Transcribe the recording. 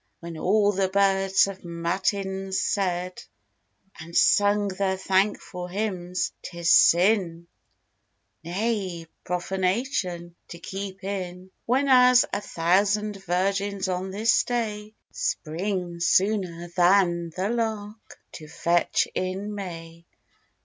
When all the birds have matins said, And sung their thankful hymns: 'tis sin, Nay, profanation, to keep in, Whenas a thousand virgins on this day, Spring, sooner than the lark, to fetch in May.